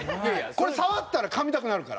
これ触ったらかみたくなるから。